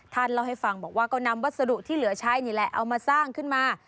เล่าให้ฟังบอกว่าก็นำวัสดุที่เหลือใช้นี่แหละเอามาสร้างขึ้นมา